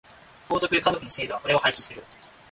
皇族、華族の制度はこれを廃止する。